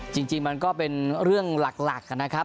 จริงมันก็เป็นเรื่องหลักนะครับ